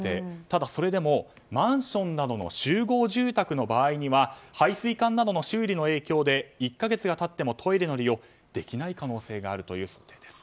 ただそれでも、マンションなどの集合住宅の場合には排水管などの修理の影響で１か月が経ってもトイレの利用ができない可能性があるという想定です。